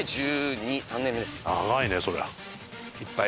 長いねそりゃ。